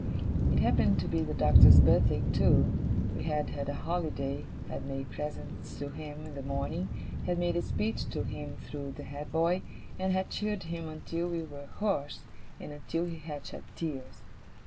It happened to be the Doctor's birthday, too. We had had a holiday, had made presents to him in the morning, had made a speech to him through the head boy, and had cheered him until we were hoarse, and until he had shed tears.